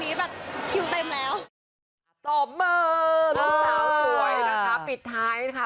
น้องสาวสวยนะคะปิดท้ายนะคะ